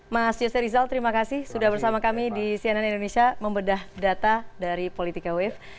mas yose rizal terima kasih sudah bersama kami di cnn indonesia membedah data dari politika wave